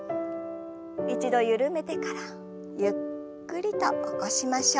一度緩めてからゆっくりと起こしましょう。